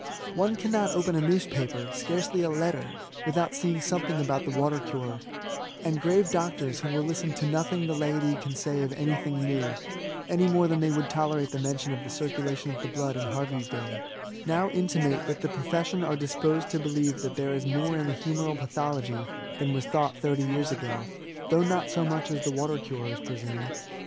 One cannot open a newspaper, scarcely a letter, without seeing some thing about the Water cure ; and grave doctors, who will listen to nothing the laity can say of anything new, (any more than they would tolerate the mention of the circulation of the blood in Harvey's day,) now intimate that the profession are disposed to believe that there is more in the humoral pathology than was thought thirty years ago, though not so much as the water curers presume.